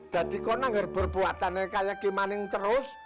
jadi kan berbuatannya kayak maning terus